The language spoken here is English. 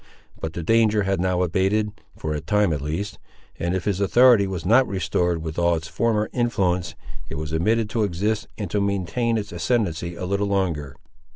But the danger had now abated, for a time at least; and if his authority was not restored with all its former influence, it was admitted to exist, and to maintain its ascendency a little longer.